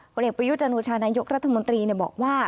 พลเอกประยุจจันทร์โชภาณายกรัฐมนตรีบอกว่า